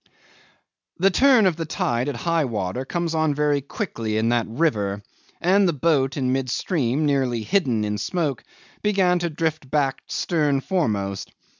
'The turn of the tide at high water comes on very quickly in that river, and the boat in mid stream, nearly hidden in smoke, began to drift back stern foremost.